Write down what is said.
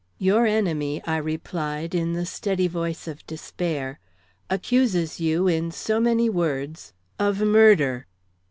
"Your enemy," I replied, in the steady voice of despair, "accuses you in so many words of murder."